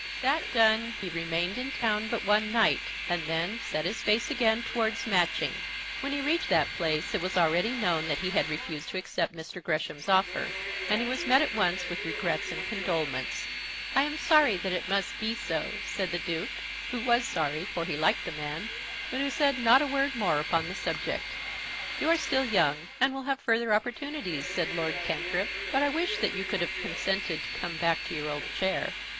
That done, he remained in town but one night, and then set his face again towards Matching. When he reached that place it was already known that he had refused to accept Mr. Gresham's offer, and he was met at once with regrets and condolements. "I am sorry that it must be so," said the Duke, who was sorry, for he liked the man, but who said not a word more upon the subject. "You are still young, and will have further opportunities," said Lord Cantrip, "but I wish that you could have consented to come back to your old chair."